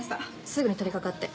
すぐに取りかかって。